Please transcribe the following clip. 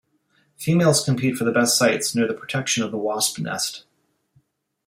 Females compete for the best sites near the protection of the wasp nest.